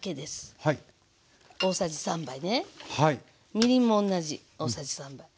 みりんも同じ大さじ３。